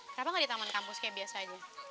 kenapa gak di taman kampus kayak biasa aja